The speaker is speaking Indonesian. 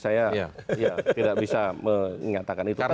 saya ya tidak bisa mengatakan itu